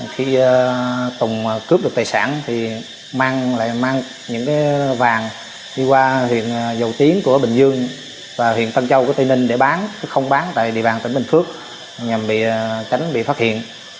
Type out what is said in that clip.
khi tùng cướp được tài sản thì mang lại những vàng đi qua huyện dầu tiến của bình dương và huyện tân châu của tây ninh để bán không bán tại địa bàn tỉnh bình phước nhằm tránh bị phát hiện